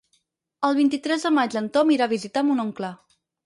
El vint-i-tres de maig en Tom irà a visitar mon oncle.